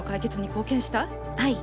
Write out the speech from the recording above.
はい。